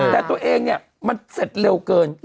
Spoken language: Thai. แต่ตัวเองเนี่ยมันเสร็จเร็วเกิน